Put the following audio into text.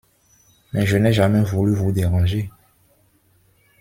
Mais je n’ai jamais voulu vous déranger...